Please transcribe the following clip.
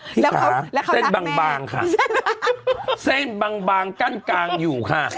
ที่ขาเส้นบางค่ะเส้นบางกั้นกลางอยู่ค่ะ